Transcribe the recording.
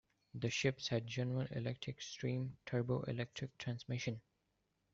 The ships had General Electric steam turbo-electric transmission.